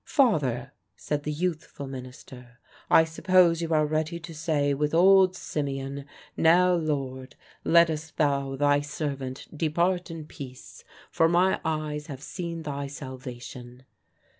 "Father," said the youthful minister, "I suppose you are ready to say with old Simeon, 'Now, Lord, lettest thou thy servant depart in peace, for my eyes have seen thy salvation.'"